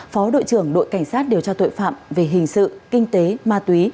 phó đội trưởng đội cảnh sát điều tra tội phạm về hình sự kinh tế ma túy